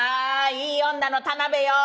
いい女の田辺よ。